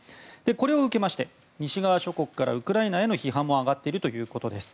これを受けまして西側諸国からウクライナへの批判も上がっているということです。